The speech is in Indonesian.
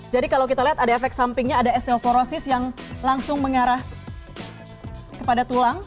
jadi kalau kita lihat ada efek sampingnya ada estelkorosis yang langsung mengarah kepada tulang